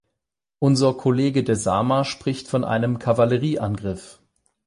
Unser Kollege Desama spricht von einem" Kavallerieangriff" .